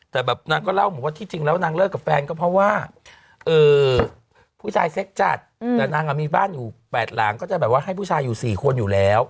แต่แบบนางก็เล่าบอกว่าที่จริงแล้วนางเลิกกับแฟนก็เพราะว่าผู้ชายเซ็กจัดแต่นางมีบ้านอยู่๘หลังก็จะแบบว่าให้ผู้ชายอยู่๔คนอยู่แล้ว